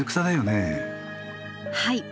はい。